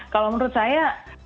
kalau menurut saya